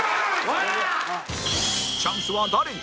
チャンスは誰に？